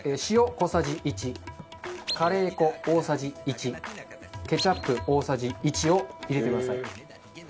小さじ１カレー粉大さじ１ケチャップ大さじ１を入れてください。